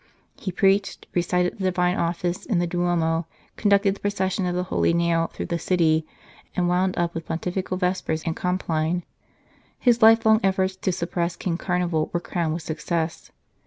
He preached, recited the Divine Office in the Duomo, conducted the Pro cession of the Holy Nail through the city, and wound up with pontifical Vespers and Compline. His lifelong efforts to suppress King Carnival were crowned with success.